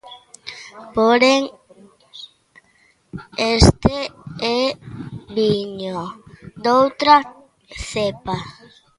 Porén, este é viño doutra cepa.